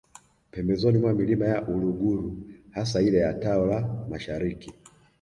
Pembezoni mwa Milima ya Uluguru hasa ile ya Tao la Mashariki